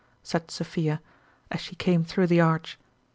" said Sophia, as she came through the arch.